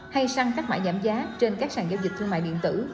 hay săn các mạng giảm giá trên các sàn giao dịch thương mại điện tử